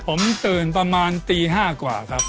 ผมตื่นประมาณตี๕กว่าครับ